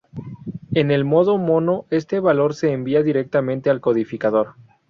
En el modo mono este valor se envía directamente al codificador.